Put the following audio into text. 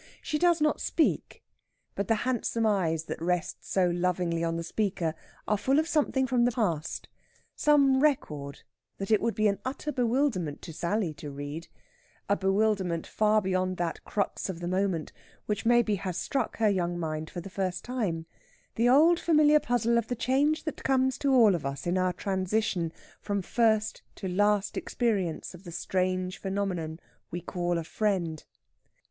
She does not speak; but the handsome eyes that rest so lovingly on the speaker are full of something from the past some record that it would be an utter bewilderment to Sally to read a bewilderment far beyond that crux of the moment which maybe has struck her young mind for the first time the old familiar puzzle of the change that comes to all of us in our transition from first to last experience of the strange phenomenon we call a friend.